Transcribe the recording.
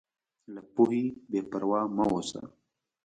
له پوهې بېپروا مه اوسه.